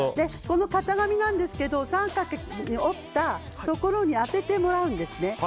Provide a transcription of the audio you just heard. この型紙なんですが三角に折ったところに当ててもらうんですね。